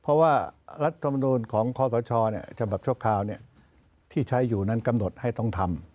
เพราะว่ารัฐมนูลของข้อสชฉบับชั่วคราวที่ใช้อยู่นั้นกำหนดให้ต้องทำ